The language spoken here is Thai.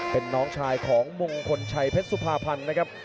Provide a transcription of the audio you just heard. เป็นน้องชายของมงคลชัยเพชรสุภาพันธ์นะครับ